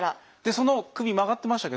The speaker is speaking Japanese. その首曲がってましたけど